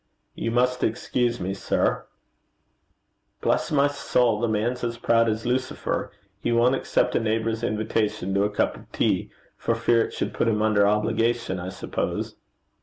'You must excuse me, sir.' 'Bless my soul, the man's as proud as Lucifer! He won't accept a neighbour's invitation to a cup of tea for fear it should put him under obligations, I suppose.'